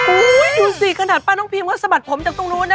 ดูสิขนาดป้าน้องพิมก็สะบัดผมจากตรงนู้นนะ